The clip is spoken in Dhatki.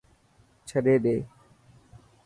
ڇڏي ڏي.